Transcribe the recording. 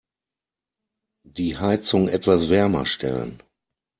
Die Heizung etwas wärmer stellen.